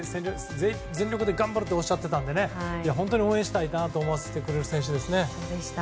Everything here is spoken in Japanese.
全力で頑張るとおっしゃっていたので本当に応援したいと思わせてくれる選手ですね。